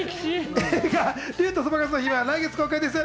映画『竜とそばかすの姫』は来月公開です。